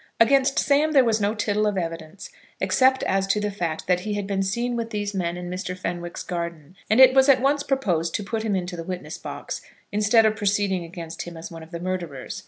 Against Sam there was no tittle of evidence, except as to that fact that he had been seen with these men in Mr. Fenwick's garden; and it was at once proposed to put him into the witness box, instead of proceeding against him as one of the murderers.